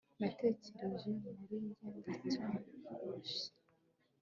natekereje muri njye ndacyarushye